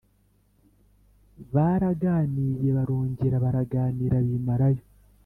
baraganiye barongera baraganira bimarayo.